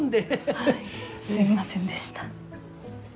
はいすいませんでした。